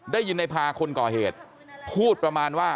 ได้ยินในพาคนก่อเหตุพูดประมาณว่า